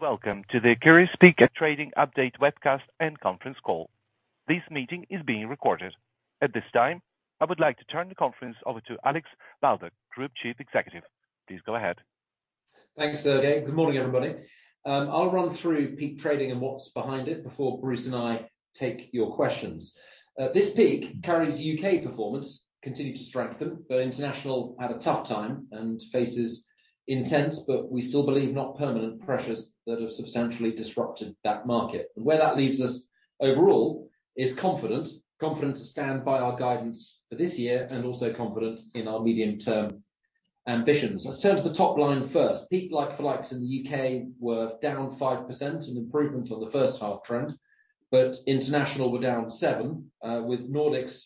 Welcome to the Currys Peak Trading Update Webcast and Conference Call. This meeting is being recorded. At this time, I would like to turn the conference over to Alex Baldock, Group Chief Executive. Please go ahead. Thanks, Sergei. Good morning, everybody. I'll run through peak trading and what's behind it before Bruce and I take your questions. This peak Currys U.K. performance continued to strengthen, but international had a tough time and faces intense, but we still believe not permanent pressures that have substantially disrupted that market. Where that leaves us overall is confident to stand by our guidance for this year and also confident in our medium-term ambitions. Let's turn to the top line first. Peak like-for-likes in the UK were down 5%, an improvement on the first half trend, but international were down 7, with Nordics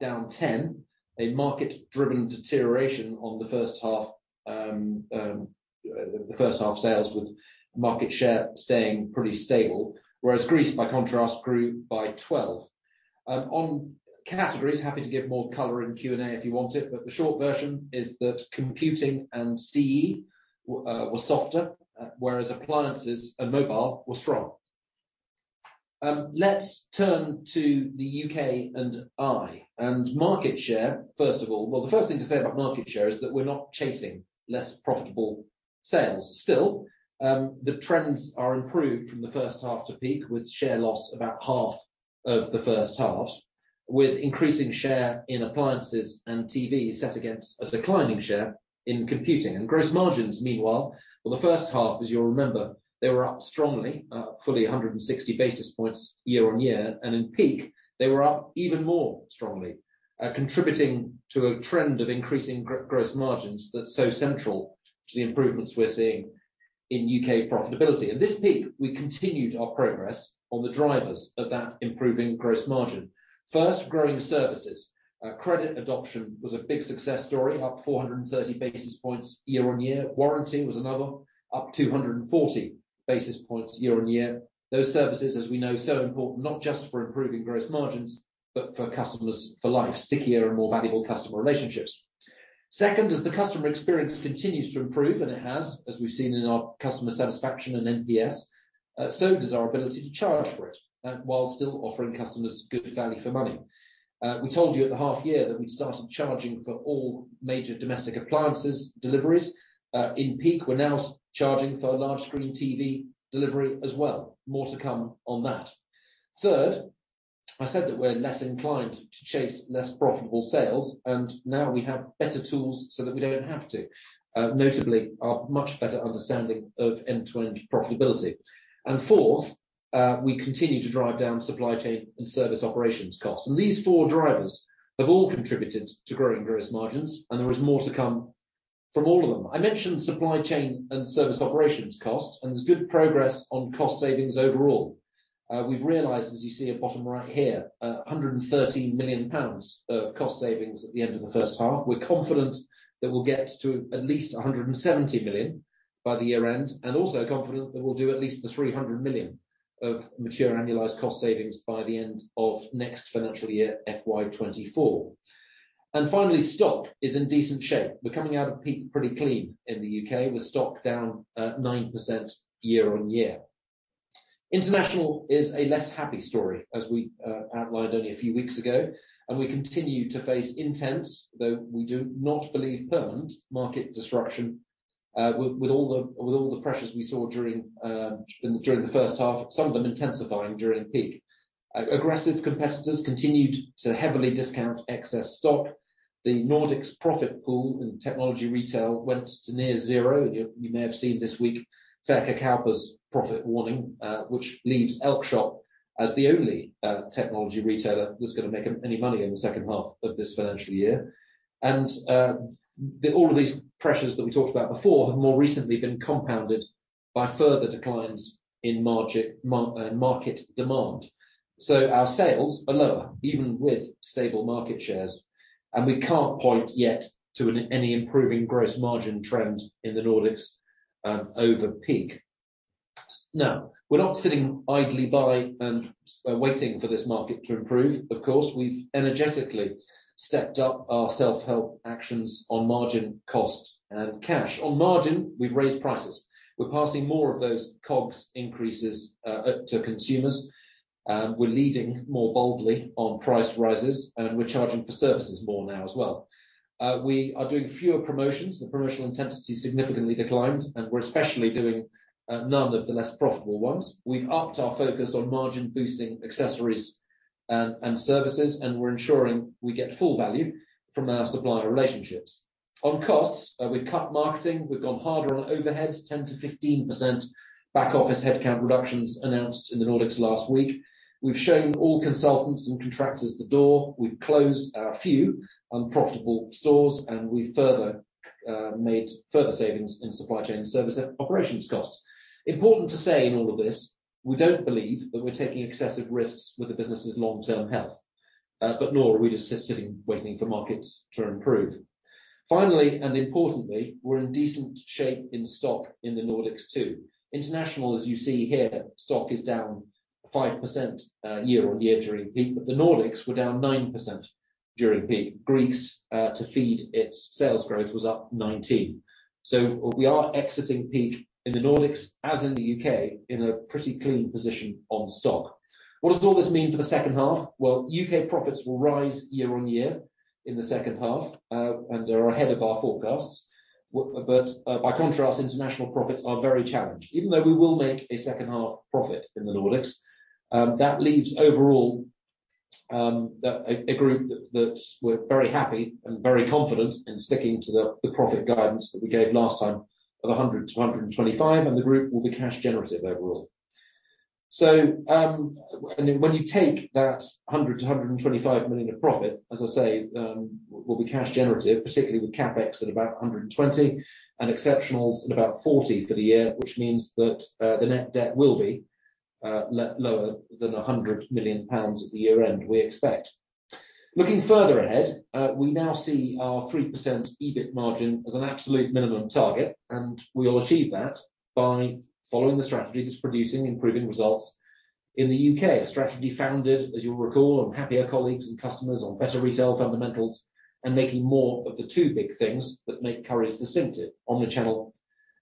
down 10, a market-driven deterioration on the first half, the first half sales with market share staying pretty stable. Whereas Greece, by contrast, grew by 12. On categories, happy to give more color in Q&A if you want it, but the short version is that computing and CE were softer, whereas appliances and mobile were strong. Let's turn to the U.K. and I, and market share, first of all. Well, the first thing to say about market share is that we're not chasing less profitable sales. Still, the trends are improved from the first half to peak, with share loss about half of the first half, with increasing share in appliances and TV set against a declining share in computing. Gross margins, meanwhile, well, the first half, as you'll remember, they were up strongly, fully 160 basis points year-on-year, and in peak they were up even more strongly, contributing to a trend of increasing gross margins that's so central to the improvements we're seeing in U.K. profitability. At this peak, we continued our progress on the drivers of that improving gross margin. First, growing services. Credit adoption was a big success story, up 430 basis points year-on-year. Warranty was another, up 240 basis points year-on-year. Those services, as we know, so important, not just for improving gross margins, but for customers for life, stickier and more valuable customer relationships. As the customer experience continues to improve, and it has, as we've seen in our customer satisfaction and NPS, so does our ability to charge for it, while still offering customers good value for money. We told you at the half year that we'd started charging for all major domestic appliances deliveries. In peak, we're now charging for large screen TV delivery as well. More to come on that. I said that we're less inclined to chase less profitable sales, now we have better tools so that we don't have to, notably our much better understanding of end-to-end profitability. Fourth, we continue to drive down supply chain and service operations costs. These four drivers have all contributed to growing gross margins, and there is more to come from all of them. I mentioned supply chain and service operations costs, and there's good progress on cost savings overall. We've realized, as you see at bottom right here, 113 million pounds of cost savings at the end of the first half. We're confident that we'll get to at least 170 million by the year end, and also confident that we'll do at least the 300 million of mature annualized cost savings by the end of next financial year, FY 2024. Finally, stock is in decent shape. We're coming out of peak pretty clean in the UK with stock down 9% year-on-year. International is a less happy story, as we outlined only a few weeks ago, we continue to face intense, though we do not believe permanent market disruption, with all the pressures we saw during the first half, some of them intensifying during peak. Aggressive competitors continued to heavily discount excess stock. The Nordics profit pool in technology retail went to near zero. You may have seen this week, Verkkokauppa's profit warning, which leaves Elkjøp as the only technology retailer that's gonna make any money in the second half of this financial year. All of these pressures that we talked about before have more recently been compounded by further declines in market demand. Our sales are lower even with stable market shares, and we can't point yet to any improving gross margin trend in the Nordics over peak. We're not sitting idly by and waiting for this market to improve, of course. We've energetically stepped up our self-help actions on margin cost and cash. On margin, we've raised prices. We're passing more of those COGS increases to consumers. We're leading more boldly on price rises, and we're charging for services more now as well. We are doing fewer promotions. The promotional intensity significantly declined, and we're especially doing none of the less profitable ones. We've upped our focus on margin boosting accessories and services, and we're ensuring we get full value from our supplier relationships. On costs, we've cut marketing, we've gone harder on overheads, 10%-15% back office headcount reductions announced in the Nordics last week. We've shown all consultants and contractors the door. We've closed a few unprofitable stores, and we've made further savings in supply chain and service operations costs. Important to say in all of this, we don't believe that we're taking excessive risks with the business' long-term health, but nor are we just sitting, waiting for markets to improve. Finally, and importantly, we're in decent shape in stock in the Nordics too. International, as you see here, stock is down 5%, year-on-year during peak. The Nordics were down 9%. During peak. Greece, to feed its sales growth was up 19%. We are exiting peak in the Nordics as in the U.K. in a pretty clean position on stock. What does all this mean for the second half? U.K. profits will rise year-on-year in the second half and are ahead of our forecasts. By contrast, international profits are very challenged. Even though we will make a second half profit in the Nordics, that leaves overall a group that we're very happy and very confident in sticking to the profit guidance that we gave last time of 100 million-125 million, and the group will be cash generative overall. When you take that 100 million-125 million of profit, as I say, we'll be cash generative, particularly with CapEx at about 120 million and exceptionals at about 40 million for the year, which means that the net debt will be lower than 100 million pounds at the year-end, we expect. Looking further ahead, we now see our 3% EBIT margin as an absolute minimum target, and we will achieve that by following the strategy that's producing improving results in the U.K. A strategy founded, as you'll recall, on happier colleagues and customers on better retail fundamentals, and making more of the two big things that make Currys distinctive omnichannel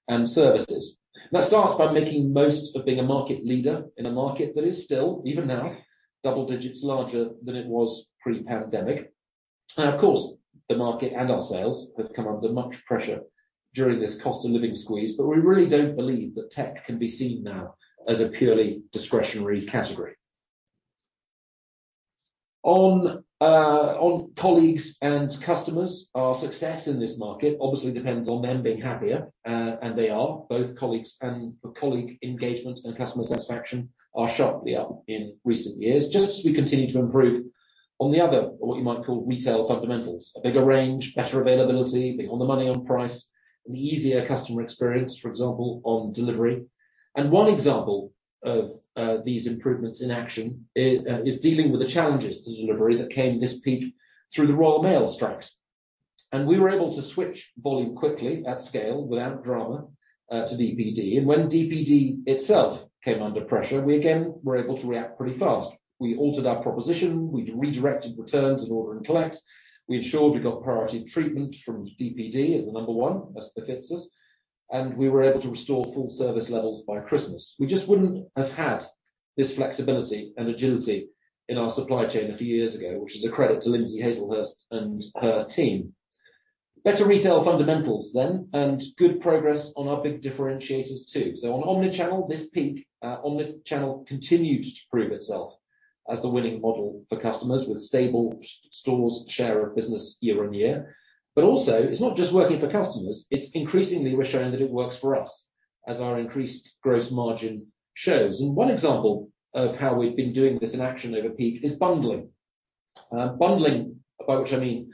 and services. Let's start by making most of being a market leader in a market that is still, even now, double-digits larger than it was pre-pandemic. Of course, the market and our sales have come under much pressure during this cost of living squeeze, but we really don't believe that tech can be seen now as a purely discretionary category. On colleagues and customers, our success in this market obviously depends on them being happier, and they are. Colleague engagement and customer satisfaction are sharply up in recent years. Just as we continue to improve on the other, or what you might call retail fundamentals. A bigger range, better availability, being on the money on price, an easier customer experience, for example, on delivery. One example of these improvements in action is dealing with the challenges to delivery that came this peak through the Royal Mail strikes. We were able to switch volume quickly at scale without drama to DPD. When DPD itself came under pressure, we again were able to react pretty fast. We altered our proposition, we redirected returns and order and collect. We ensured we got priority treatment from DPD as the number one as befits us, and we were able to restore full service levels by Christmas. We just wouldn't have had this flexibility and agility in our supply chain a few years ago, which is a credit to Lindsay Haselhurst and her team. Better retail fundamentals then, and good progress on our big differentiators too. On omnichannel, this peak, omnichannel continued to prove itself as the winning model for customers with stable stores share of business year-on-year. Also it's not just working for customers, it's increasingly we're showing that it works for us as our increased gross margin shows. One example of how we've been doing this in action over peak is bundling. Bundling by which I mean,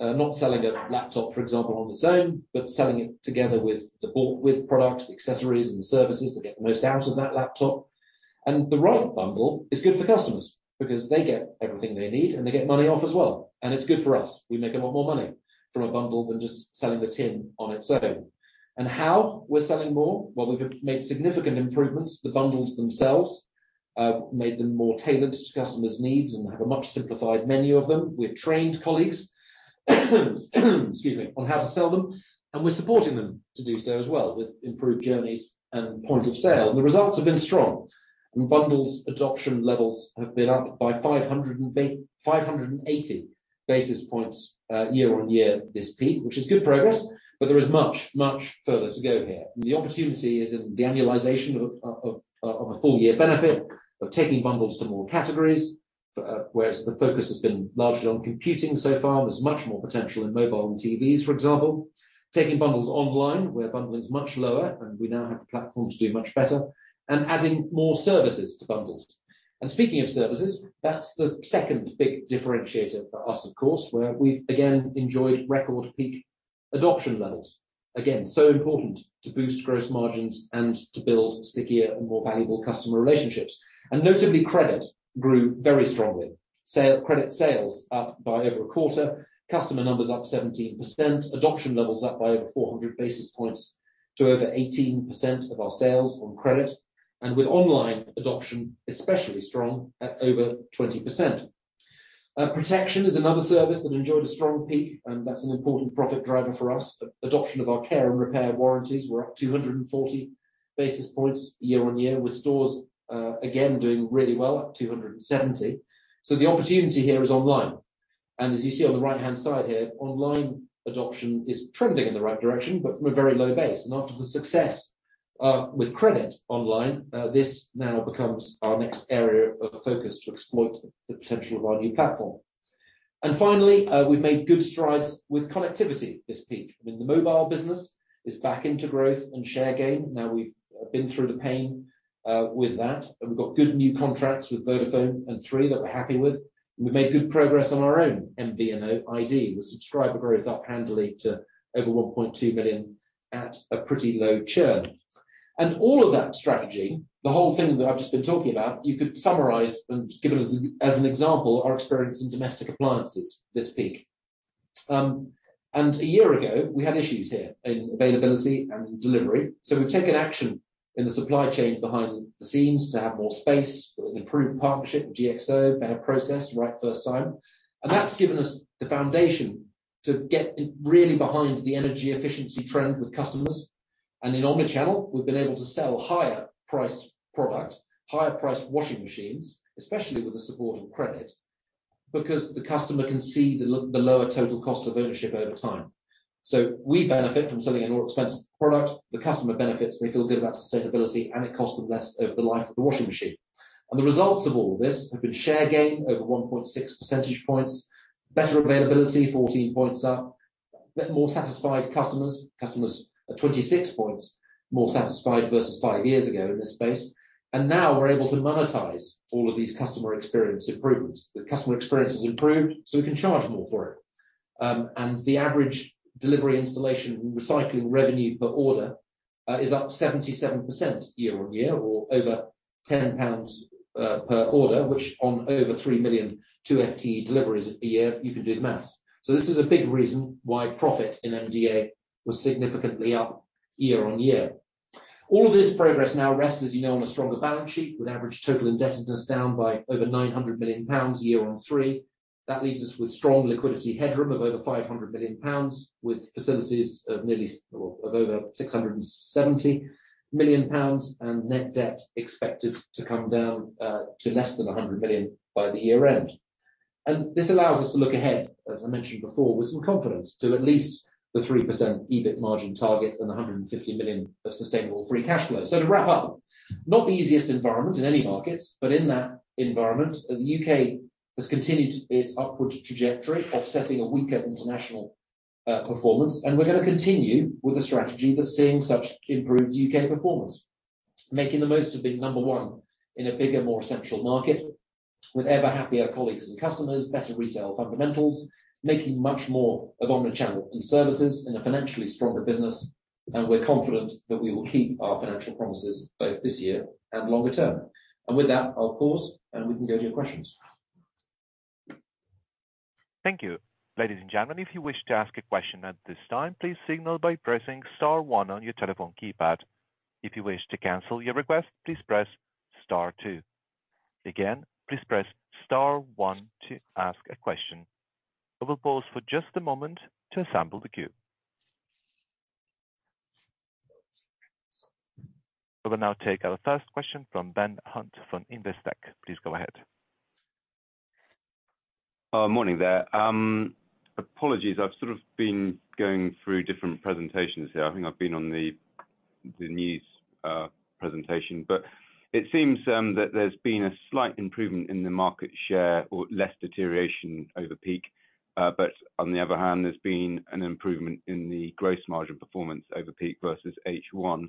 not selling a laptop, for example, on its own, but selling it together with the bought with products, accessories, and services that get the most out of that laptop. The right bundle is good for customers because they get everything they need, and they get money off as well, and it's good for us. We make a lot more money from a bundle than just selling the tin on its own. How we're selling more, well, we've made significant improvements to bundles themselves, made them more tailored to customers' needs and have a much simplified menu of them. We've trained colleagues on how to sell them, and we're supporting them to do so as well with improved journeys and point of sale. The results have been strong and bundles adoption levels have been up by 580 basis points year-on-year this peak, which is good progress, but there is much, much further to go here. The opportunity is in the annualization of a full year benefit of taking bundles to more categories. Whereas the focus has been largely on computing so far, and there's much more potential in mobile and TVs, for example. Taking bundles online where bundling is much lower, and we now have the platform to do much better, and adding more services to bundles. Speaking of services, that's the second big differentiator for us, of course, where we've again enjoyed record peak adoption levels. Again, so important to boost gross margins and to build stickier and more valuable customer relationships. Notably, credit grew very strongly. Credit sales up by over a quarter, customer numbers up 17%, adoption levels up by over 400 basis points to over 18% of our sales on credit. With online adoption especially strong at over 20%. Protection is another service that enjoyed a strong peak, and that's an important profit driver for us. Adoption of our care and repair warranties were up 240 basis points year-on-year with stores, again, doing really well at 270 basis points. The opportunity here is online. As you see on the right-hand side here, online adoption is trending in the right direction, but from a very low base. After the success with credit online, this now becomes our next area of focus to exploit the potential of our new platform. Finally, we've made good strides with connectivity this peak. I mean, the mobile business is back into growth and share gain. Now, we've been through the pain with that, and we've got good new contracts with Vodafone and Three that we're happy with. We've made good progress on our own MVNO, iD, with subscriber growth up handily to over 1.2 million at a pretty low churn. All of that strategy, the whole thing that I've just been talking about, you could summarize and give it as an example, our experience in domestic appliances this peak. A year ago, we had issues here in availability and delivery. We've taken action in the supply chain behind the scenes to have more space with an improved partnership with GXO, better process, right first time. That's given us the foundation to get really behind the energy efficiency trend with customers. In omni-channel, we've been able to sell higher priced product, higher priced washing machines, especially with the support of credit, because the customer can see the lower total cost of ownership over time. We benefit from selling a more expensive product. The customer benefits, they feel good about sustainability, and it costs them less over the life of the washing machine. The results of all this have been share gain over 1.6 percentage points, better availability 14 points up, a bit more satisfied customers. Customers are 26 points more satisfied versus 5 years ago in this space. Now we're able to monetize all of these customer experience improvements. The customer experience has improved, so we can charge more for it. The average delivery installation and recycling revenue per order is up 77% year-on-year or over 10 pounds per order, which on over 3 million, 2 FTE deliveries a year, you can do the math. This is a big reason why profit in MDA was significantly up year-on-year. All of this progress now rests, as you know, on a stronger balance sheet, with average total indebtedness down by over 900 million pounds year on three. That leaves us with strong liquidity headroom of over 500 million pounds, with facilities of nearly or of over 670 million pounds and net debt expected to come down to less than 100 million by the year-end. This allows us to look ahead, as I mentioned before, with some confidence to at least the 3% EBIT margin target and 150 million of sustainable free cash flow. To wrap up, not the easiest environment in any markets, but in that environment, the U.K. has continued its upward trajectory, offsetting a weaker international performance. We're gonna continue with a strategy that's seeing such improved U.K. performance, making the most of being number one in a bigger, more essential market with ever happier colleagues and customers, better retail fundamentals, making much more of omni-channel and services in a financially stronger business. We're confident that we will keep our financial promises both this year and longer term. With that, I'll pause, and we can go to your questions. Thank you. Ladies and gentlemen, if you wish to ask a question at this time, please signal by pressing star one on your telephone keypad. If you wish to cancel your request, please press star two. Again, please press star one to ask a question. I will pause for just a moment to assemble the queue. We will now take our first question from Ben Hunt from Investec. Please go ahead. Morning there. Apologies, I've sort of been going through different presentations here. I think I've been on the news presentation, but it seems that there's been a slight improvement in the market share or less deterioration over peak. On the other hand, there's been an improvement in the gross margin performance over peak versus H1.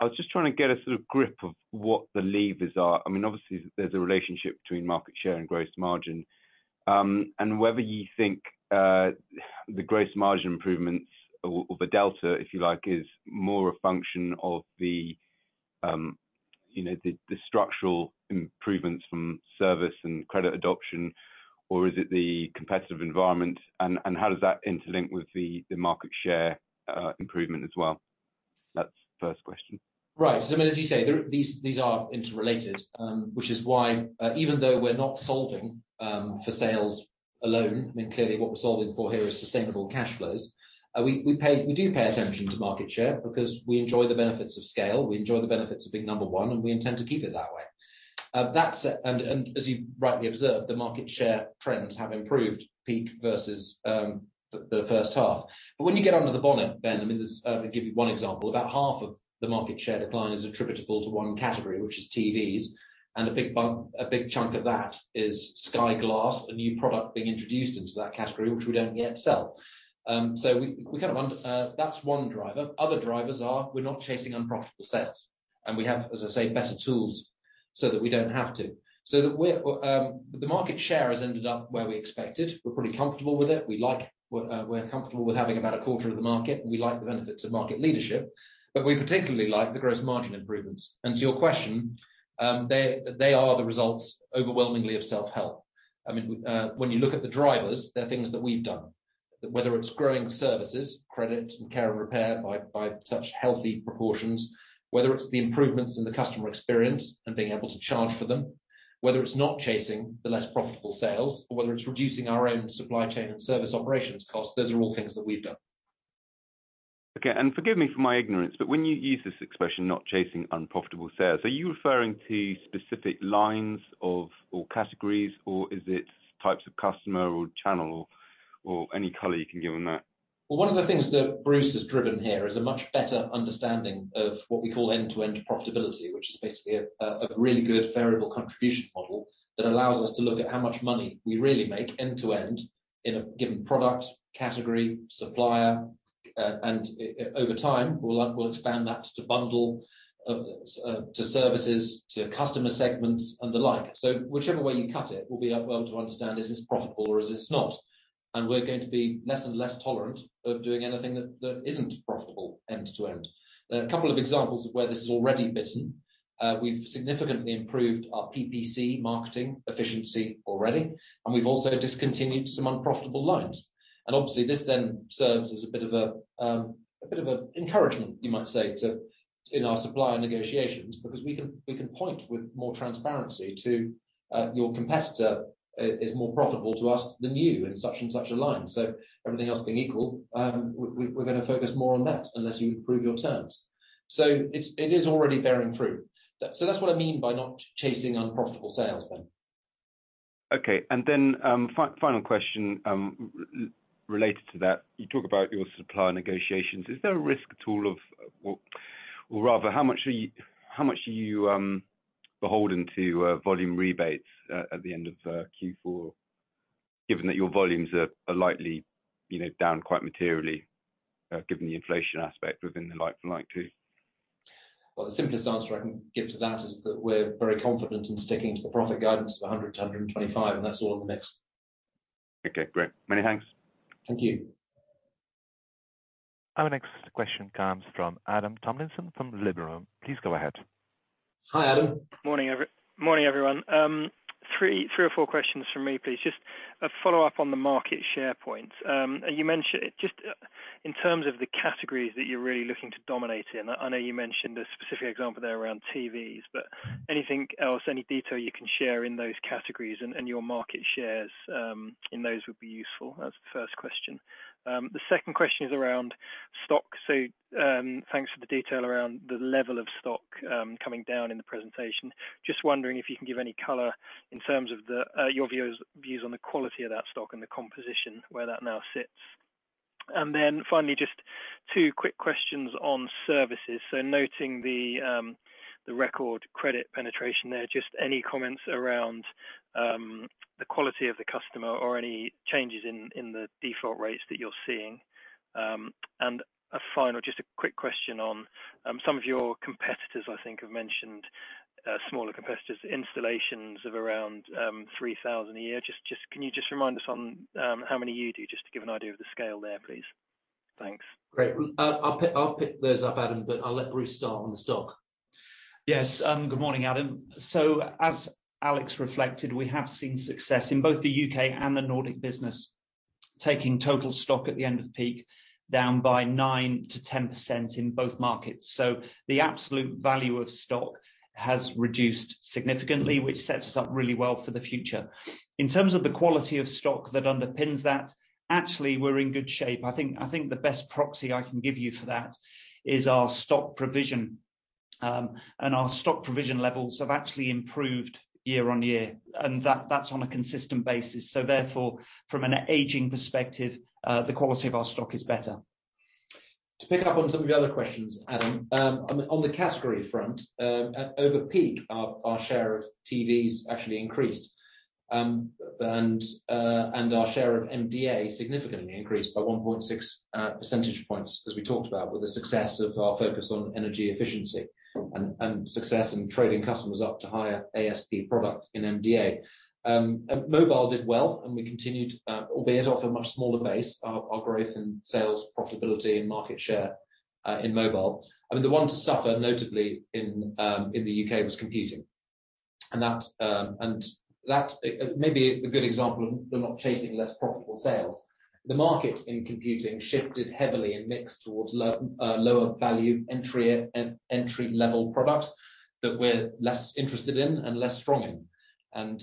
I was just trying to get a sort of grip of what the levers are. Obviously there's a relationship between market share and gross margin. Whether you think the gross margin improvements or the delta, if you like, is more a function of the structural improvements from service and credit adoption, or is it the competitive environment, and how does that interlink with the market share improvement as well? That's the first question. I mean, as you say, these are interrelated, which is why, even though we're not solving for sales alone, I mean, clearly what we're solving for here is sustainable cash flows. We do pay attention to market share because we enjoy the benefits of scale, we enjoy the benefits of being number one, and we intend to keep it that way. That said, and as you rightly observed, the market share trends have improved peak versus the first half. When you get under the bonnet, Ben, I mean, there's. I'll give you one example. About half of the market share decline is attributable to one category, which is TVs. A big chunk of that is Sky Glass, a new product being introduced into that category which we don't yet sell. That's one driver. Other drivers are, we're not chasing unprofitable sales. We have, as I say, better tools so that we don't have to. That we're. The market share has ended up where we expected. We're pretty comfortable with it. We like, we're comfortable with having about a quarter of the market. We like the benefits of market leadership. We particularly like the gross margin improvements. To your question, they are the results overwhelmingly of self-help. I mean, when you look at the drivers, they're things that we've done. Whether it's growing services, credit, and care and repair by such healthy proportions, whether it's the improvements in the customer experience and being able to charge for them, whether it's not chasing the less profitable sales or whether it's reducing our own supply chain and service operations costs, those are all things that we've done. Okay, forgive me for my ignorance, but when you use this expression, not chasing unprofitable sales, are you referring to specific lines of or categories, or is it types of customer or channel or any color you can give on that? Well, one of the things that Bruce has driven here is a much better understanding of what we call end-to-end profitability, which is basically a really good variable contribution model that allows us to look at how much money we really make end-to-end in a given product, category, supplier. Over time, we'll expand that to bundle, to services, to customer segments and the like. Whichever way you cut it, we'll be able to understand is this profitable or is this not? We're going to be less and less tolerant of doing anything that isn't profitable end-to-end. There are a couple of examples of where this has already bitten. We've significantly improved our PPC marketing efficiency already. We've also discontinued some unprofitable lines. This then serves as a bit of a encouragement, you might say, to in our supplier negotiations, because we can, we can point with more transparency to your competitor is more profitable to us than you in such and such a line. Everything else being equal, we're gonna focus more on that unless you improve your terms. It is already bearing through. That's what I mean by not chasing unprofitable sales then. Okay. Final question, related to that. You talk about your supplier negotiations. Is there a risk at all of, or rather, how much are you, how much are you beholden to volume rebates at the end of Q4, given that your volumes are likely, you know, down quite materially, given the inflation aspect within the like-for-like too? Well, the simplest answer I can give to that is that we're very confident in sticking to the profit guidance of 100-125, and that's all on the mix. Okay, great. Many thanks. Thank you. Our next question comes from Adam Tomlinson from Liberum. Please go ahead. Hi, Adam. Morning, everyone. Three or four questions from me, please. Just a follow-up on the market share point. You mentioned just in terms of the categories that you're really looking to dominate in, I know you mentioned a specific example there around TVs, but anything else, any detail you can share in those categories and your market shares in those would be useful. That's the first question. The second question is around stock. Thanks for the detail around the level of stock coming down in the presentation. Just wondering if you can give any color in terms of your views on the quality of that stock and the composition where that now sits. Finally, just two quick questions on services. Noting the record credit penetration there, just any comments around the quality of the customer or any changes in the default rates that you're seeing. A final, just a quick question on some of your competitors, I think have mentioned smaller competitors, installations of around 3,000 a year. Just, can you just remind us on how many you do just to give an idea of the scale there, please? Thanks. Great. I'll pick those up, Adam, but I'll let Bruce start on the stock. Yes. Good morning, Adam. As Alex reflected, we have seen success in both the U.K. and the Nordic business, taking total stock at the end of peak down by 9%-10% in both markets. The absolute value of stock has reduced significantly, which sets us up really well for the future. In terms of the quality of stock that underpins that, actually, we're in good shape. I think the best proxy I can give you for that is our stock provision. Our stock provision levels have actually improved year-on-year, and that's on a consistent basis. Therefore, from an aging perspective, the quality of our stock is better. To pick up on some of your other questions, Adam, on the category front, over peak, our share of TVs actually increased. Our share of MDA significantly increased by 1.6 percentage points, as we talked about, with the success of our focus on energy efficiency and success in trading customers up to higher ASP product in MDA. Mobile did well, and we continued, albeit off a much smaller base our growth in sales profitability and market share in mobile. I mean, the one to suffer notably in the U.K. was computing. That maybe a good example of we're not chasing less profitable sales. The market in computing shifted heavily in mix towards low, lower value entry-level products that we're less interested in and less strong in.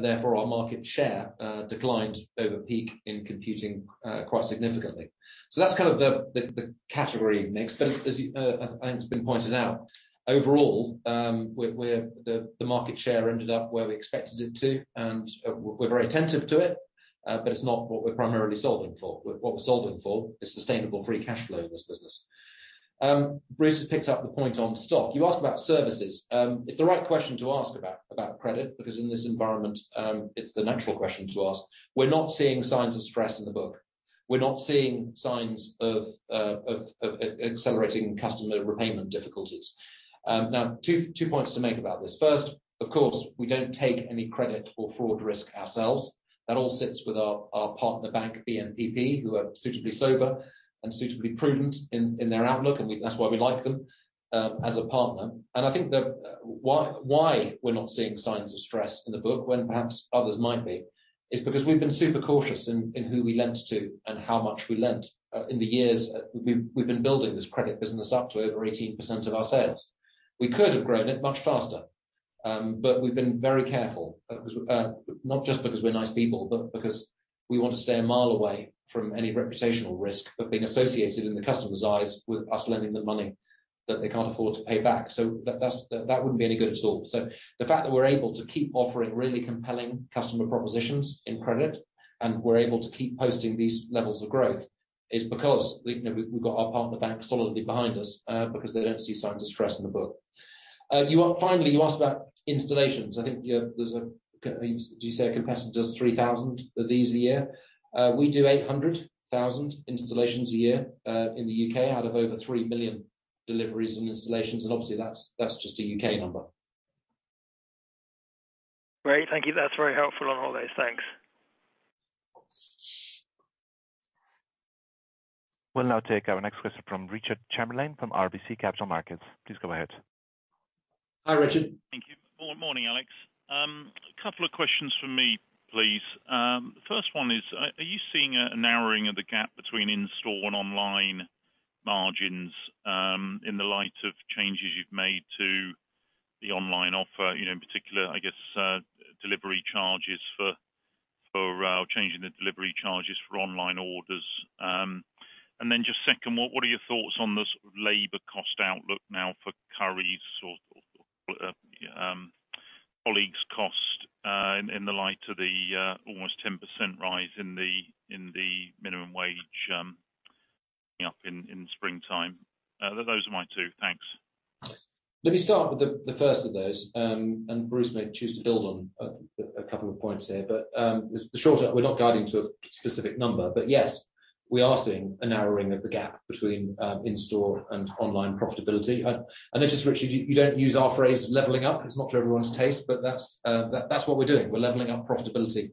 Therefore our market share declined over peak in computing quite significantly. That's kind of the category mix. As you, and it's been pointed out, overall, the market share ended up where we expected it to, and, we're very attentive to it, but it's not what we're primarily solving for. What we're solving for is sustainable free cash flow in this business. Bruce has picked up the point on stock. You asked about services. It's the right question to ask about credit, because in this environment, it's the natural question to ask. We're not seeing signs of stress in the book. We're not seeing signs of accelerating customer repayment difficulties. Now two points to make about this. First, of course, we don't take any credit or fraud risk ourselves. That all sits with our partner bank, BNPP, who are suitably sober and suitably prudent in their outlook, and that's why we like them as a partner. I think the why we're not seeing signs of stress in the book when perhaps others might be, is because we've been super cautious in who we lent to and how much we lent in the years we've been building this credit business up to over 18% of our sales. We could have grown it much faster, we've been very careful, not just because we're nice people, but because we want to stay a mile away from any reputational risk of being associated in the customer's eyes with us lending them money that they can't afford to pay back. That wouldn't be any good at all. The fact that we're able to keep offering really compelling customer propositions in credit, and we're able to keep posting these levels of growth, is because we've got our partner bank solidly behind us, because they don't see signs of stress in the book. Finally, you asked about installations. I think, did you say a competitor does 3,000 of these a year? We do 800,000 installations a year, in the U.K., out of over 3 billion deliveries and installations, and obviously that's just a U.K. number. Great. Thank you. That's very helpful on all those. Thanks. We'll now take our next question from Richard Chamberlain from RBC Capital Markets. Please go ahead. Hi, Richard. Thank you. Morning, Alex. A couple of questions from me, please. First one is, are you seeing a narrowing of the gap between in-store and online margins in the light of changes you've made to the online offer? You know, in particular I guess, delivery charges for changing the delivery charges for online orders. Just second, what are your thoughts on the labor cost outlook now for Currys or colleagues cost in the light of the almost 10% rise in the minimum wage coming up in springtime? Those are my two. Thanks. Let me start with the first of those. Bruce may choose to build on a couple of points here. The short answer, we're not guiding to a specific number. Yes, we are seeing a narrowing of the gap between in-store and online profitability. I notice, Richard, you don't use our phrase leveling up. It's not to everyone's taste, but that's what we're doing. We're leveling up profitability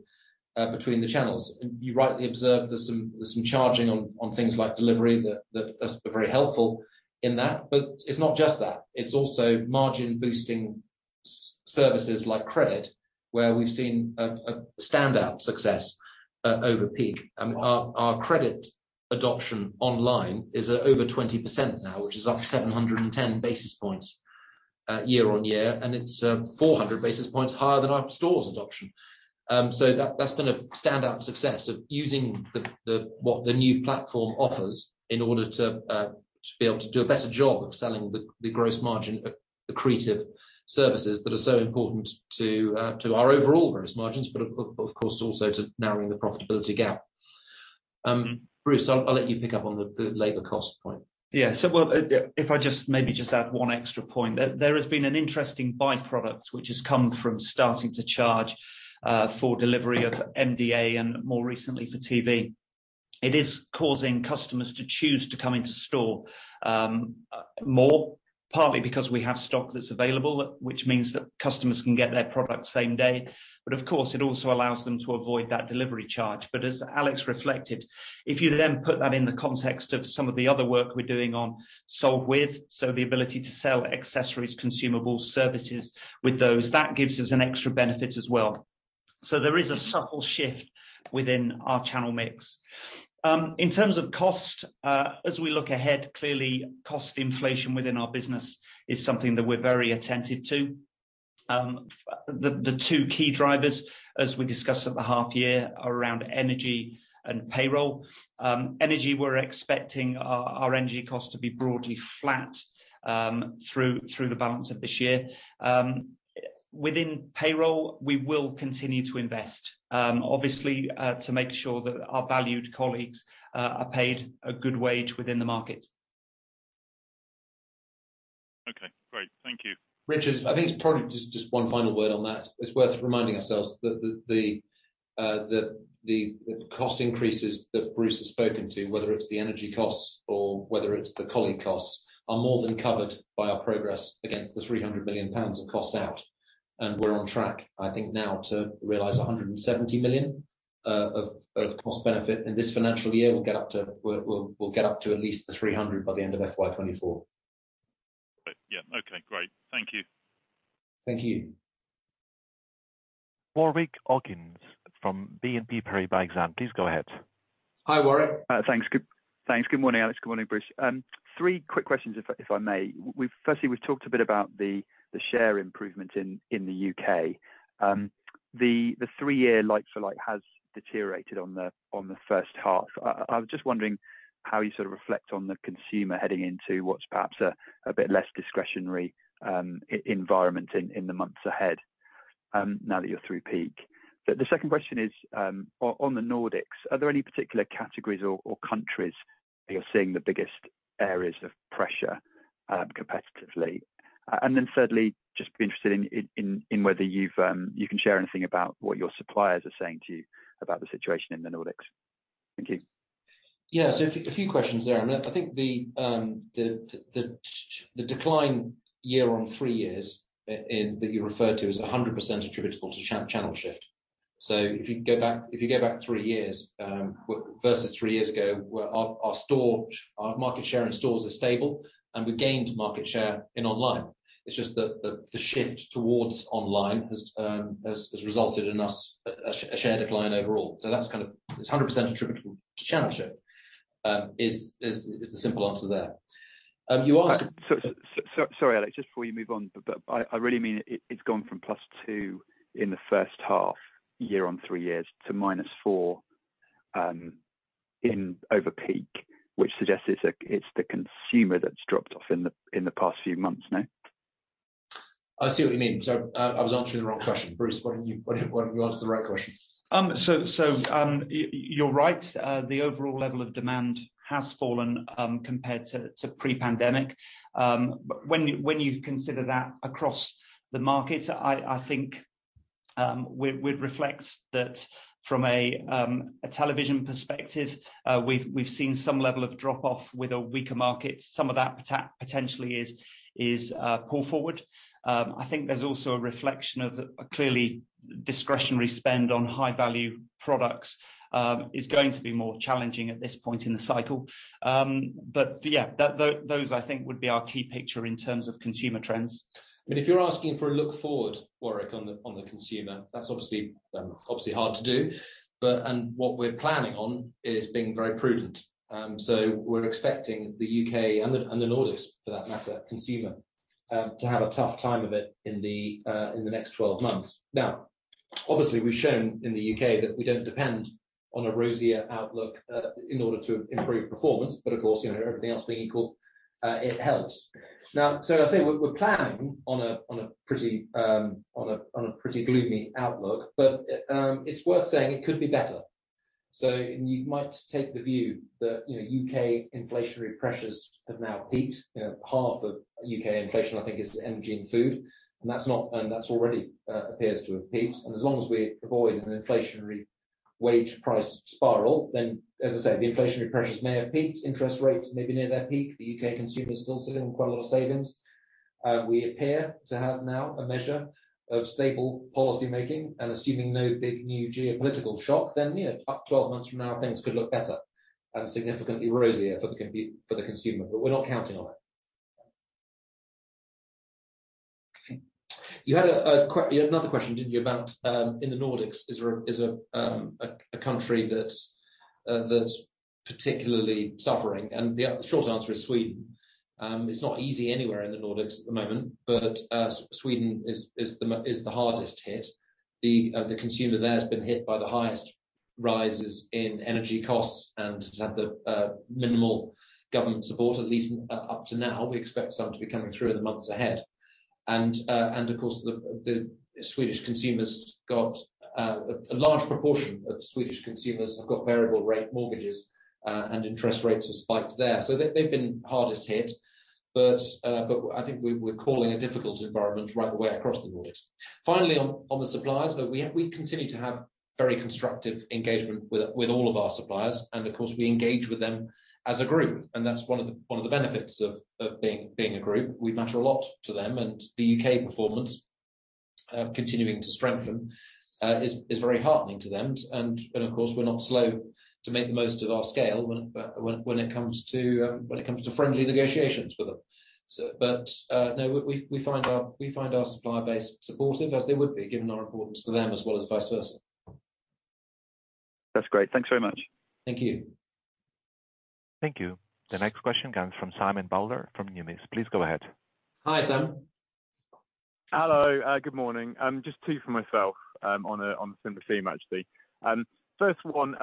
between the channels. You rightly observed there's some charging on things like delivery that's very helpful in that. It's not just that. It's also margin boosting services like credit, where we've seen a standout success over peak. Our, our credit adoption online is at over 20% now, which is up 710 basis points year-on-year, and it's 400 basis points higher than our stores adoption. That, that's been a standout success of using the, what the new platform offers in order to be able to do a better job of selling the gross margin accretive services that are so important to our overall gross margins, but of course, also to narrowing the profitability gap. Bruce, I'll let you pick up on the labor cost point. Yeah. Well, if I just maybe just add one extra point. There, there has been an interesting by-product which has come from starting to charge for delivery of MDA and more recently for TV. It is causing customers to choose to come into store more partly because we have stock that's available, which means that customers can get their product same day, but of course, it also allows them to avoid that delivery charge. As Alex reflected, if you then put that in the context of some of the other work we're doing on Sold With, so the ability to sell accessories, consumables, services with those, that gives us an extra benefit as well. There is a subtle shift within our channel mix. In terms of cost, as we look ahead, clearly cost inflation within our business is something that we're very attentive to. The two key drivers, as we discussed at the half year, are around energy and payroll. Energy, we're expecting our energy costs to be broadly flat, through the balance of this year. Within payroll, we will continue to invest, obviously, to make sure that our valued colleagues are paid a good wage within the market. Okay, great. Thank you. Richard, I think it's probably just one final word on that. It's worth reminding ourselves that the cost increases that Bruce has spoken to, whether it's the energy costs or whether it's the colleague costs, are more than covered by our progress against the 300 million pounds of cost out, and we're on track, I think now to realize 170 million of cost benefit in this financial year. We'll get up to at least the 300 million by the end of FY 2024. Yeah. Okay, great. Thank you. Thank you. Warwick Okines from BNP Paribas. Please go ahead. Hi, Warwick. Thanks. Thanks. Good morning, Alex. Good morning, Bruce. Three quick questions if I may. firstly, we've talked a bit about the share improvement in the U.K. The three-year like-for-like has deteriorated on the first half. I was just wondering how you sort of reflect on the consumer heading into what's perhaps a bit less discretionary e-environment in the months ahead, now that you're through peak. The second question is on the Nordics, are there any particular categories or countries that you're seeing the biggest areas of pressure competitively? Thirdly, just interested in whether you've you can share anything about what your suppliers are saying to you about the situation in the Nordics. Thank you. Yeah. A few questions there, and I think the decline year on three years that you referred to is 100% attributable to channel shift. If you go back, if you go back three years, versus three years ago, where our store, our market share in stores are stable and we gained market share in online. It's just that the shift towards online has resulted in us a share decline overall. That's kind of... It's 100% attributable to channel shift, is the simple answer there. You asked- Sorry, Alex, just before you move on, but I really mean it's gone from +2% in the first half year on three years to -4% in over peak, which suggests it's the consumer that's dropped off in the past few months now? I see what you mean. I was answering the wrong question. Bruce, what are the right questions? You're right. The overall level of demand has fallen compared to pre-pandemic. When you consider that across the market, I think we'd reflect that from a television perspective, we've seen some level of drop-off with a weaker market. Some of that potentially is pull forward. I think there's also a reflection of a clearly discretionary spend on high value products is going to be more challenging at this point in the cycle. Yeah, those, I think would be our key picture in terms of consumer trends. If you're asking for a look forward, Warwick, on the consumer, that's obviously hard to do. What we're planning on is being very prudent. We're expecting the U.K. and the Nordics for that matter, consumer, to have a tough time of it in the next 12 months. Obviously, we've shown in the U.K. that we don't depend on a rosier outlook in order to improve performance. Of course, you know, everything else being equal, it helps. I say we're planning on a pretty gloomy outlook, but it's worth saying it could be better. You might take the view that, you know, U.K. inflationary pressures have now peaked. You know, half of U.K. inflation, I think is energy and food. That's already appears to have peaked. As long as we avoid an inflationary wage price spiral, then as I said, the inflationary pressures may have peaked. Interest rates may be near their peak. The U.K. consumer is still sitting on quite a lot of savings. We appear to have now a measure of stable policymaking and assuming no big new geopolitical shock, then, you know, up to 12 months from now things could look better and significantly rosier for the consumer, but we're not counting on it. You had another question, didn't you, about in the Nordics, is there a country that's particularly suffering? The short answer is Sweden. It's not easy anywhere in the Nordics at the moment. Sweden is the hardest hit. The consumer there has been hit by the highest rises in energy costs and has had the minimal government support, at least up to now. We expect some to be coming through in the months ahead. Of course, the Swedish consumers got a large proportion of Swedish consumers have got variable rate mortgages, and interest rates have spiked there. They've been hardest hit. I think we're calling a difficult environment right the way across the Nordics. Finally, on the suppliers. Look, we continue to have very constructive engagement with all of our suppliers, and of course we engage with them as a group, and that's one of the, one of the benefits of being a group. We matter a lot to them. The U.K. performance, continuing to strengthen, is very heartening to them. Of course, we're not slow to make the most of our scale when it comes to friendly negotiations with them. No, we find our supplier base supportive as they would be, given our importance to them as well as vice versa. That's great. Thanks very much. Thank you. Thank you. The next question comes from Simon Bowler from Numis. Please go ahead. Hi, Simon. Hello. Good morning. Just two for myself, on a similar theme, actually. First one,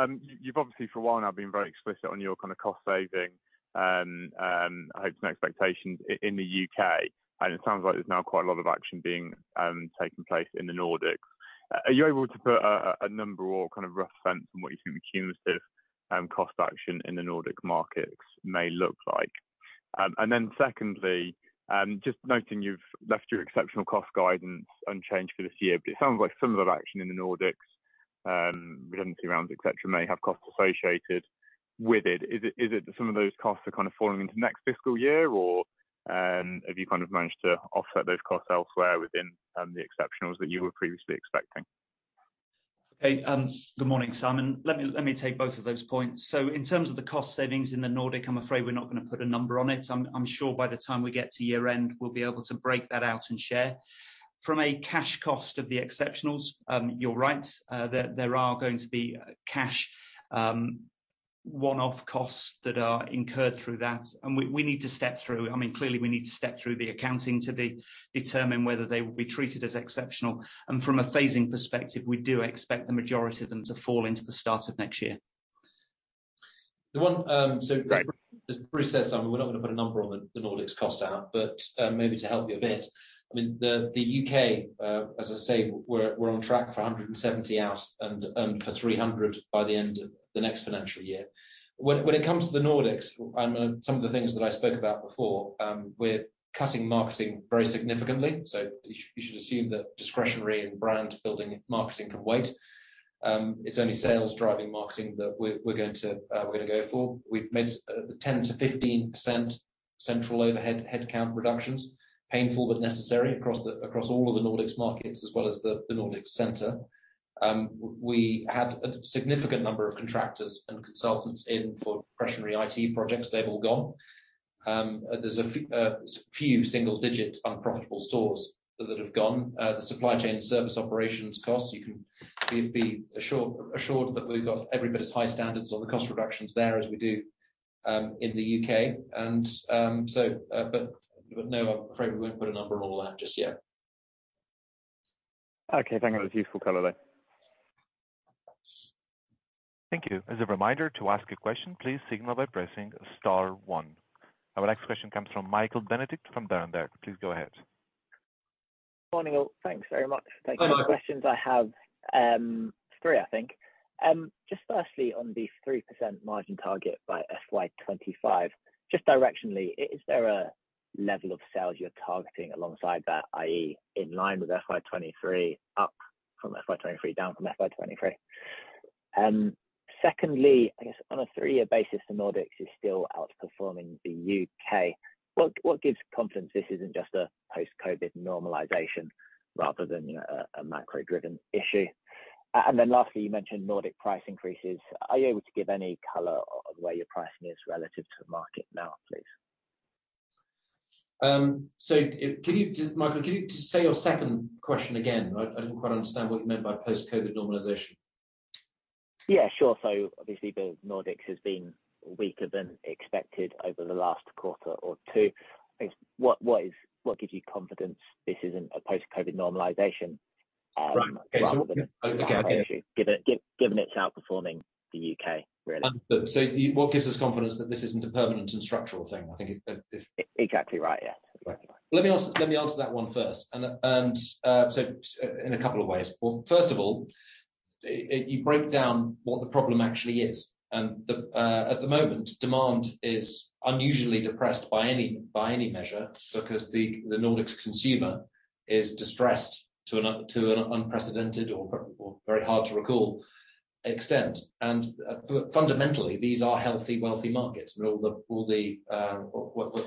you've obviously for a while now been very explicit on your kind of cost saving hopes and expectations in the U.K. It sounds like there's now quite a lot of action being taking place in the Nordics. Are you able to put a number or kind of rough sense on what you think the cumulative cost action in the Nordic markets may look like? Secondly, just noting you've left your exceptional cost guidance unchanged for this year, but it sounds like similar action in the Nordics, redundancy rounds, et cetera, may have costs associated with it. Is it that some of those costs are kind of falling into next fiscal year, or have you kind of managed to offset those costs elsewhere within the exceptionals that you were previously expecting? Okay. Good morning, Simon. Let me take both of those points. In terms of the cost savings in the Nordic, I'm afraid we're not gonna put a number on it. I'm sure by the time we get to year-end, we'll be able to break that out and share. From a cash cost of the exceptionals, you're right, there are going to be cash, one-off costs that are incurred through that. We need to step through. I mean, clearly, we need to step through the accounting to determine whether they will be treated as exceptional. From a phasing perspective, we do expect the majority of them to fall into the start of next year. The one. Great. As Bruce says, Simon, we're not gonna put a number on the Nordics cost out, but maybe to help you a bit. I mean, the U.K., as I say, we're on track for 170 out and for 300 by the end of the next financial year. When it comes to the Nordics and some of the things that I spoke about before, we're cutting marketing very significantly. You should assume that discretionary and brand building marketing can wait. It's only sales driving marketing that we're going to go for. We've made 10%-15% central overhead headcount reductions. Painful but necessary across all of the Nordics markets as well as the Nordic Center. We had a significant number of contractors and consultants in for discretionary IT projects. They've all gone. There's a few single digit unprofitable stores that have gone. The supply chain service operations costs, we've been assured that we've got every bit as high standards on the cost reductions there as we do in the U.K. But no, I'm afraid we won't put a number on all that just yet. Okay. Thank you. That was a useful color, though. Thank you. As a reminder, to ask a question, please signal by pressing star one. Our next question comes from Michael Benedict from Berenberg. Please go ahead. Morning, all. Thanks very much. Hi, Michael. Questions I have three, I think. Just firstly, on the 3% margin target by FY 2025, just directionally, is there a level of sales you're targeting alongside that, i.e., in line with FY 2023, up from FY 2023, down from FY 2023? Secondly, I guess on a three-year basis, the Nordics is still outperforming the U.K. What gives confidence this isn't just a post-COVID normalization rather than a macro driven issue? Lastly, you mentioned Nordic price increases. Are you able to give any color of where your pricing is relative to the market now, please? Michael, can you just say your second question again? I didn't quite understand what you meant by post-COVID normalization. Yeah, sure. Obviously the Nordics has been weaker than expected over the last quarter or two. I guess, what gives you confidence this isn't a post-COVID normalization? rather than an ongoing issue? Given it's outperforming the U.K. really. Understood. What gives us confidence that this isn't a permanent and structural thing? I think if. Exactly right. Yeah. Right. Let me answer that one first. In a couple of ways. Well, first of all, you break down what the problem actually is. At the moment, demand is unusually depressed by any measure because the Nordics consumer is distressed to an unprecedented or very hard to recall extent. Fundamentally, these are healthy, wealthy markets. All the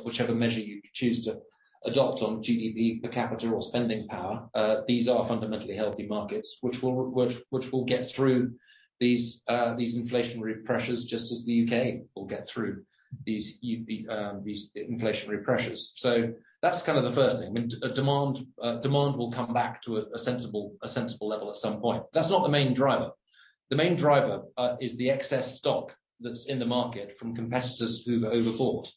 whichever measure you choose to adopt on GDP per capita or spending power, these are fundamentally healthy markets, which will get through these inflationary pressures, just as the U.K. will get through these inflationary pressures. That's kind of the first thing. I mean, demand will come back to a sensible level at some point. That's not the main driver. The main driver is the excess stock that's in the market from competitors who've overbought,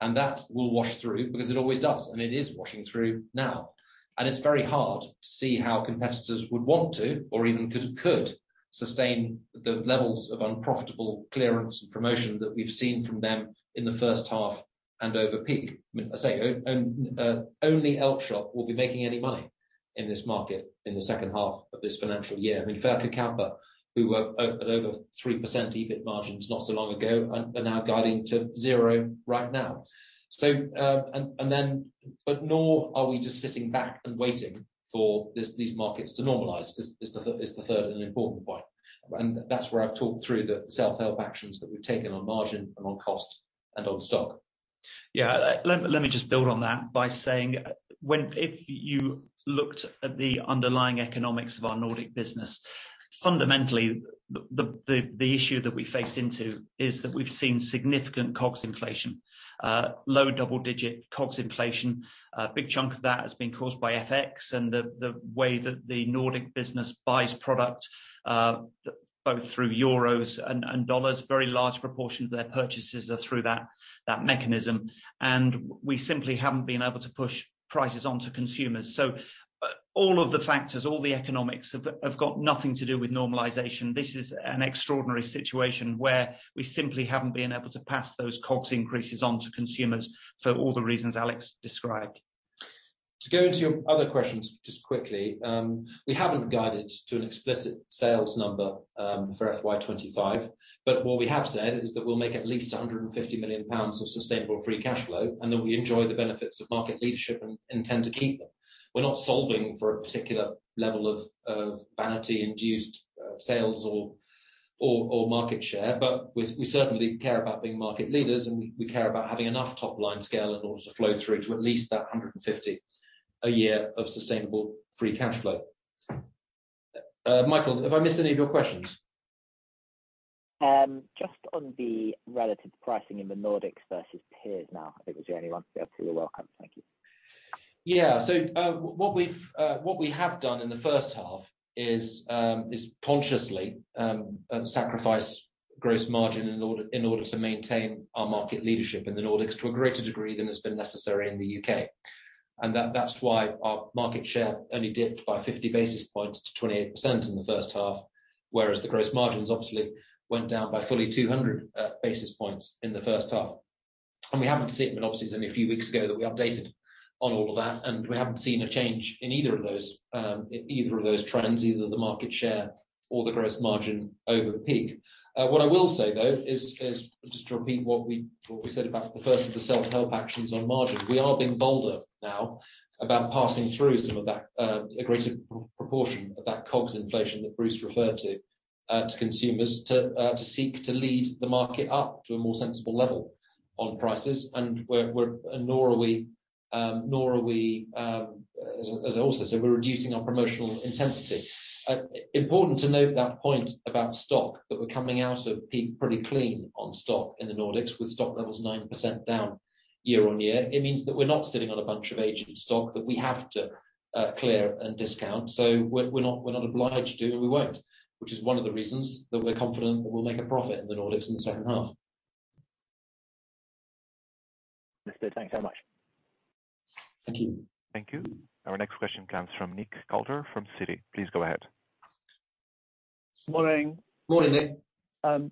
and that will wash through because it always does, and it is washing through now. It's very hard to see how competitors would want to or even could sustain the levels of unprofitable clearance and promotion that we've seen from them in the first half and over peak. I mean, I say own only Elkjøp will be making any money in this market in the second half of this financial year. I mean, Verkkokauppa who were over 3% EBIT margins not so long ago are now guiding to zero right now. Nor are we just sitting back and waiting for this, these markets to normalize is the third and important point. That's where I've talked through the self-help actions that we've taken on margin and on cost and on stock. Yeah. Let me just build on that by saying if you looked at the underlying economics of our Nordic business, fundamentally the issue that we faced into is that we've seen significant COGS inflation, low double-digit COGS inflation. A big chunk of that has been caused by FX and the way that the Nordic business buys product, both through euros and dollars. Very large proportion of their purchases are through that mechanism, and we simply haven't been able to push prices onto consumers. All of the factors, all the economics have got nothing to do with normalization. This is an extraordinary situation where we simply haven't been able to pass those COGS increases on to consumers for all the reasons Alex described. To go into your other questions just quickly, we haven't guided to an explicit sales number for FY 2025. What we have said is that we'll make at least 150 million pounds of sustainable free cash flow, and that we enjoy the benefits of market leadership and intend to keep them. We're not solving for a particular level of vanity induced sales or market share. We certainly care about being market leaders, and we care about having enough top-line scale in order to flow through to at least that 150 a year of sustainable free cash flow. Michael, have I missed any of your questions? Just on the relative pricing in the Nordics versus peers now, I think was the only one. Feel free to weigh in, Alex. Thank you. What we've what we have done in the first half is consciously sacrifice gross margin in order to maintain our market leadership in the Nordics to a greater degree than has been necessary in the U.K. That's why our market share only dipped by 50 basis points to 28% in the first half, whereas the gross margins obviously went down by fully 200 basis points in the first half. We haven't seen, but obviously it's only a few weeks ago that we updated on all of that, and we haven't seen a change in either of those trends, either the market share or the gross margin over the peak. What I will say, though, is just to repeat what we said about the first of the self-help actions on margin. We are being bolder now about passing through some of that, a greater proportion of that COGS inflation that Bruce referred to consumers to seek to lead the market up to a more sensible level on prices. Nor are we're reducing our promotional intensity. Important to note that point about stock, that we're coming out of peak pretty clean on stock in the Nordics with stock levels 9% down year-over-year. It means that we're not sitting on a bunch of aged stock that we have to clear and discount. We're not obliged to, and we won't. Which is one of the reasons that we're confident that we'll make a profit in the Nordics in the second half. Thanks so much. Thank you. Thank you. Our next question comes from Nick Coulter from Citi. Please go ahead. Morning. Morning, Nick.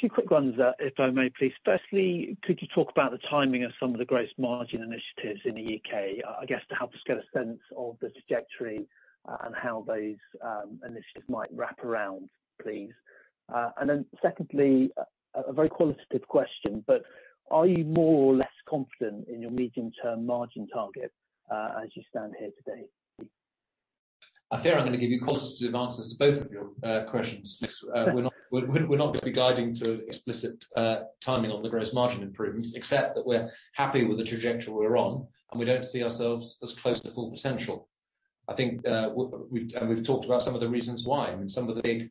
Two quick ones, if I may please. Firstly, could you talk about the timing of some of the gross margin initiatives in the U.K., I guess to help us get a sense of the trajectory and how those initiatives might wrap around, please. Then secondly, a very qualitative question, but are you more or less confident in your medium-term margin target, as you stand here today? I fear I'm gonna give you quantitative answers to both of your questions. We're not, we're not gonna be guiding to explicit timing on the gross margin improvements, except that we're happy with the trajectory we're on, and we don't see ourselves as close to full potential. I think, we've talked about some of the reasons why. I mean, some of the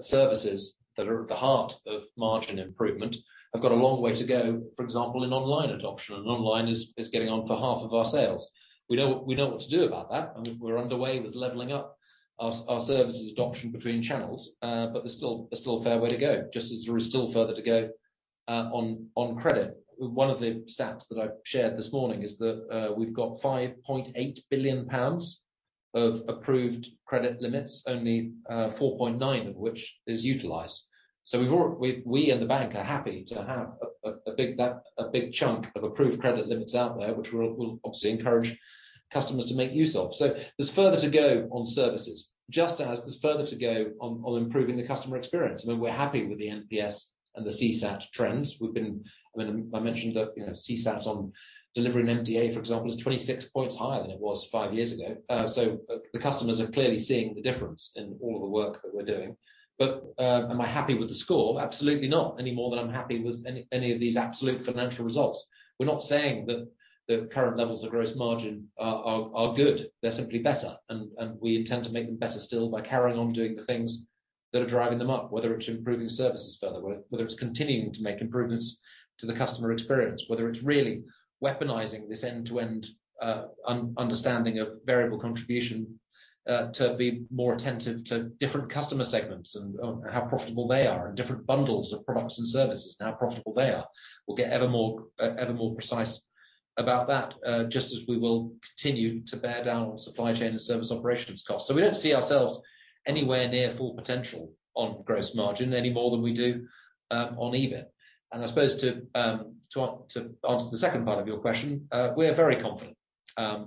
services that are at the heart of margin improvement have got a long way to go, for example, in online adoption, and online is getting on for half of our sales. We know, we know what to do about that, and we're underway with leveling up our services adoption between channels. There's still a fair way to go, just as there is still further to go on credit. One of the stats that I've shared this morning is that we've got 5.8 billion pounds of approved credit limits, only 4.9 of which is utilized. We and the bank are happy to have a big chunk of approved credit limits out there, which we'll obviously encourage customers to make use of. There's further to go on services, just as there's further to go on improving the customer experience. I mean, we're happy with the NPS and the CSAT trends. I mean, I mentioned that, you know, CSAT on delivering MDA, for example, is 26 points higher than it was five years ago. The customers are clearly seeing the difference in all of the work that we're doing. Am I happy with the score? Absolutely not any more than I'm happy with any of these absolute financial results. We're not saying that the current levels of gross margin are good. They're simply better, and we intend to make them better still by carrying on doing the things that are driving them up, whether it's improving services further, whether it's continuing to make improvements to the customer experience, whether it's really weaponizing this end-to-end understanding of variable contribution to be more attentive to different customer segments and how profitable they are and different bundles of products and services and how profitable they are. We'll get ever more precise about that just as we will continue to bear down on supply chain and service operations costs. We don't see ourselves anywhere near full potential on gross margin any more than we do on EBIT. I suppose to answer the second part of your question, we are very confident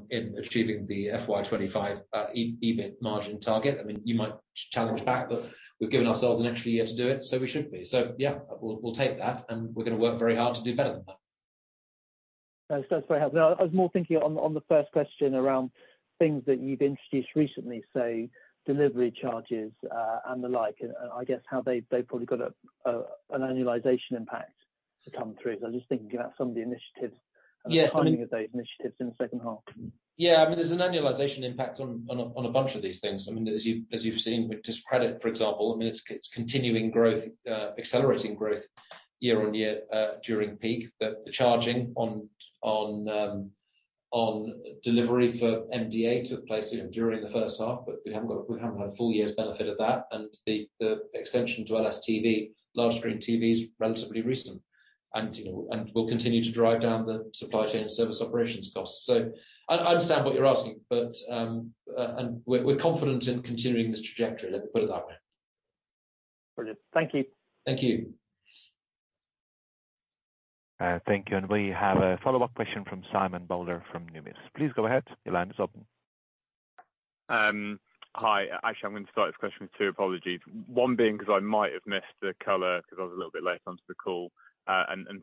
in achieving the FY 2025 EBIT margin target. I mean, you might challenge back, but we've given ourselves an extra year to do it, so we should be. Yeah, we'll take that, and we're gonna work very hard to do better than that. That's very helpful. I was more thinking on the first question around things that you've introduced recently, say, delivery charges, and the like, and I guess, how they've probably got an annualization impact to come through. I'm just thinking about some of the initiatives- Yeah. The timing of those initiatives in the second half. I mean, there's an annualization impact on a bunch of these things. I mean, as you've seen with just credit, for example, I mean, it's continuing growth, accelerating growth year-on-year during peak. The charging on delivery for MDA took place, you know, during the 1st half. We haven't had a full year's benefit of that and the extension to LSTV, large screen TVs, relatively recent. You know, we'll continue to drive down the supply chain and service operations costs. I understand what you're asking, but we're confident in continuing this trajectory. Let me put it that way. Brilliant. Thank you. Thank you. Thank you. We have a follow-up question from Simon Bowler from Numis. Please go ahead. Your line is open. Hi. Actually, I'm gonna start this question with two apologies. One being, 'cause I might have missed the color 'cause I was a little bit late onto the call.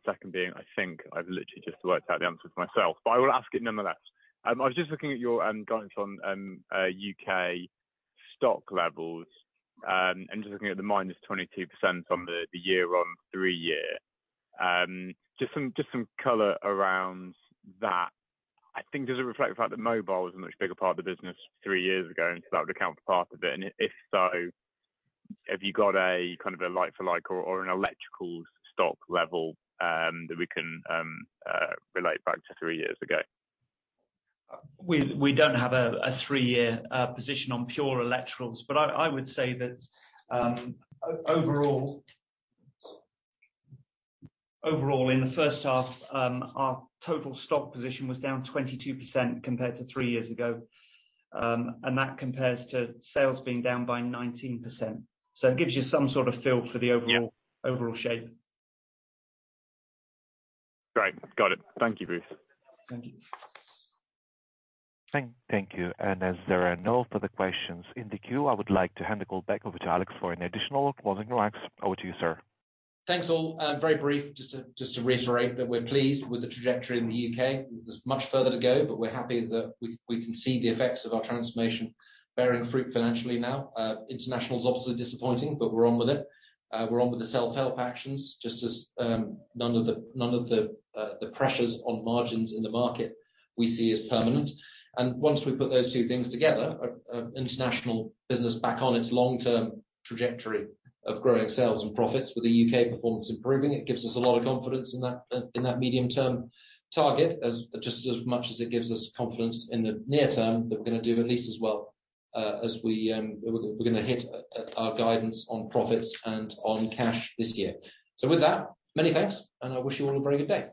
Second being, I think I've literally just worked out the answer for myself, but I will ask it nonetheless. I was just looking at your guidance on U.K. stock levels, and just looking at the -22% on the year on three-year. Just some color around that. I think does it reflect the fact that mobile was a much bigger part of the business three years ago, and so that would account for part of it. If so, have you got a, kind of, a like-for-like or an electricals stock level, that we can relate back to three years ago? We don't have a three-year position on pure electricals, but I would say that overall in the first half, our total stock position was down 22% compared to three years ago. That compares to sales being down by 19%. It gives you some sort of feel for the overall. Yeah. overall shape. Great. Got it. Thank you, Bruce. Thank you. Thank you. As there are no further questions in the queue, I would like to hand the call back over to Alex for any additional closing remarks. Over to you, sir. Thanks, all. Very brief. Just to reiterate that we're pleased with the trajectory in the U.K. There's much further to go, but we're happy that we can see the effects of our transformation bearing fruit financially now. International is obviously disappointing, but we're on with it. We're on with the self-help actions, just as none of the, none of the pressures on margins in the market we see as permanent. Once we put those two things together, international business back on its long-term trajectory of growing sales and profits with the U.K. Performance improving, it gives us a lot of confidence in that medium-term target. As just as much as it gives us confidence in the near term that we're gonna do at least as well as we're gonna hit our guidance on profits and on cash this year. With that, many thanks, and I wish you all a very good day.